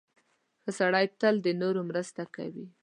• ښه سړی تل د نورو مرسته کوي.